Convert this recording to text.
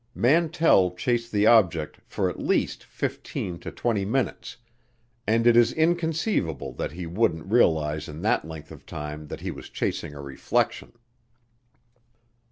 Mantell chased the object for at least fifteen to twenty minutes, and it is inconceivable that he wouldn't realize in that length of time that he was chasing a reflection.